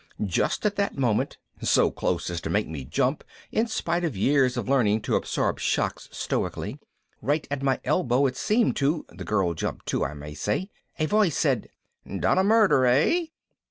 Just at that moment, so close as to make me jump in spite of years of learning to absorb shocks stoically right at my elbow it seemed to (the girl jumped too, I may say) a voice said, "Done a murder, hey?"